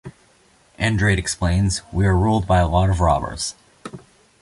Andrade explains, We are ruled by a lot of robbers.